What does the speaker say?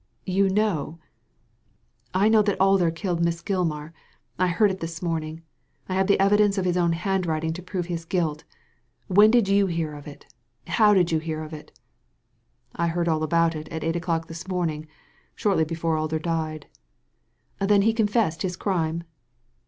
" You know ?" *'l know that Alder killed Miss Gilmar; I heard it this morning. I have the evidence of his own handwriting to prove his guilt. When did you hear of it ? How did you hear of it ?"I heard all about it at eight o'clock this morning, shortly before Alder died." Then he confessed his crime